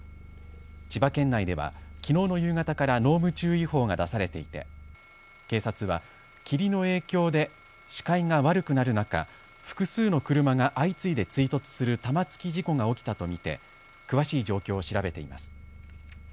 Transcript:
千葉県内では、きのうの夕方から濃霧注意報が出されていて警察は霧の影響で視界が悪くなる中、複数の車が相次いで追突する玉突き事故が起きたと見て詳しい状況を調べています。